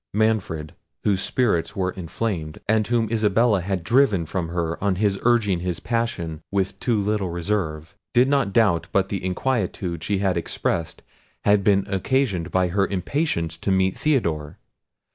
Manfred, whose spirits were inflamed, and whom Isabella had driven from her on his urging his passion with too little reserve, did not doubt but the inquietude she had expressed had been occasioned by her impatience to meet Theodore.